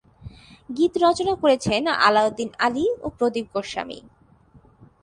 গীত রচনা করেছেন আলাউদ্দিন আলী ও প্রদীপ গোস্বামী।